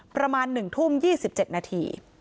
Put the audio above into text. ประมาณ๑ทุ่ม๒๗นาที